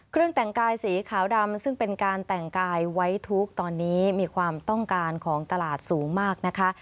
แต่งกายสีขาวดำซึ่งเป็นการแต่งกายไว้ทุกข์ตอนนี้มีความต้องการของตลาดสูงมากนะคะ